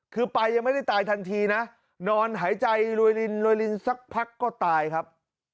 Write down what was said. คือไปยังไม่ได้ตายทันทีนะนอนหายใจรวยรินรวยลินสักพักก็ตายครับ